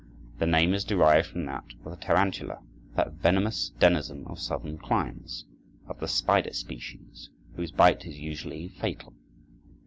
The name is derived from that of the tarantula, that venomous denizen of southern climes, of the spider species, whose bite is usually fatal.